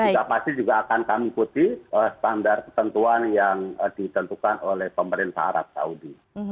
kita pasti juga akan mengikuti standar ketentuan yang ditentukan oleh pemerintah arab saudi